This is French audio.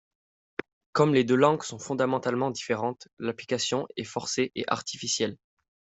Comme les deux langues sont fondamentalement différentes, l'application est forcée et artificielle.